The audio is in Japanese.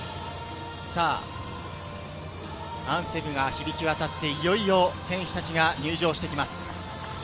アンセムが響き渡って、いよいよ選手たちが入場してきます。